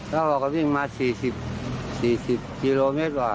เราก็วิ่งมา๔๐กิโลเมตร